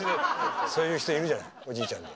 そういう人いるじゃないおじいちゃんで。